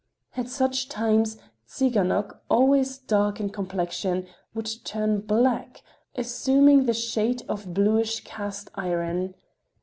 At such times, Tsiganok, always dark in complexion, would turn black, assuming the shade of bluish cast iron.